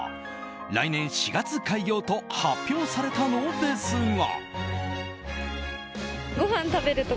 来年４月開業と発表されたのですが。